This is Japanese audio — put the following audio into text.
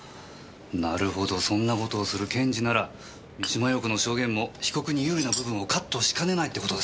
なるほどそんな事をする検事なら三島陽子の証言も被告に有利な部分をカットしかねないって事ですか？